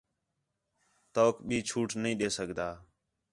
تؤک ٻئی چھوٹ نہیں ݙے سڳدا